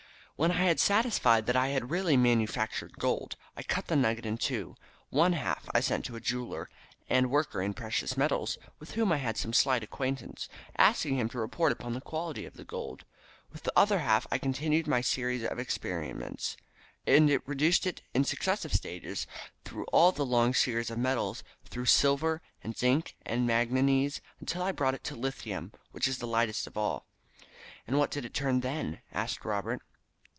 When I had satisfied myself that I had really manufactured gold I cut the nugget in two. One half I sent to a jeweller and worker in precious metals, with whom I had some slight acquaintance, asking him to report upon the quality of the metal. With the other half I continued my series of experiments, and reduced it in successive stages through all the long series of metals, through silver and zinc and manganese, until I brought it to lithium, which is the lightest of all." "And what did it turn to then?" asked Robert.